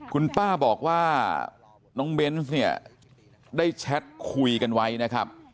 คุณป้าบอกว่าน้องเบนส์เนี่ยได้แชทคุยกันไว้นะครับ